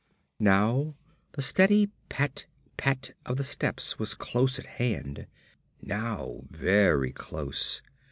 Now the steady pat, pat, of the steps was close at hand; now very close.